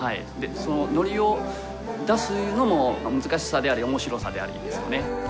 そのノリを出すのも難しさであり面白さでありですよね。